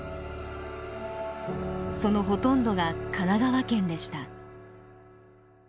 そのほとんどが神奈川県でした。